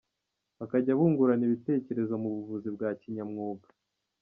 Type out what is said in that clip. Bakazajya bungurana ibitekerezo mu buvuzi bwa kinyamwuga.